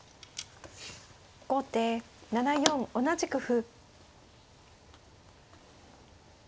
後手７四同じく歩。